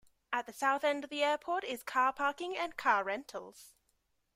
At the south end of the airport is car parking and car rentals.